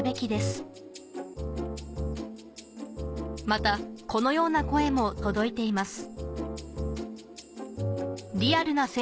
またこのような声も届いています